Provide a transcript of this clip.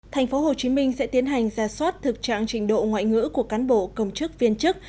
thành phố hồ chí minh sẽ tiến hành ra soát thực trạng trình độ ngoại ngữ của cán bộ công chức viên chức